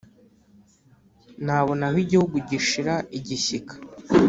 nabona aho igihugu gishira igishyika